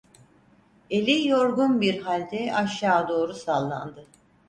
Eli yorgun bir halde aşağı doğru sallandı.